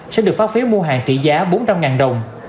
sẽ được phát phiếu mua hàng trị giá bốn trăm linh đồng